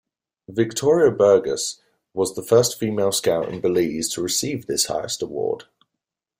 Victoria Burgos was the first female Scout in Belize to receive this highest award.